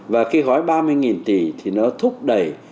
và khi gói ba mươi tỷ thì nó thúc đẩy